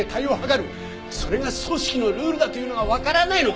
それが組織のルールだというのがわからないのか？